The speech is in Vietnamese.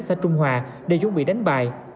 giãn cách xã trung hòa đều dũng bị đánh bại